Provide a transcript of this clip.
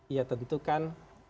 iya tentu kan